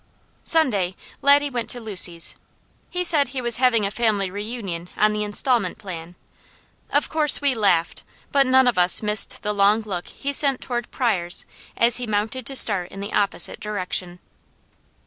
Sunday Laddie went to Lucy's. He said he was having a family reunion on the installment plan. Of course we laughed, but none of us missed the long look he sent toward Pryors' as he mounted to start in the opposite direction.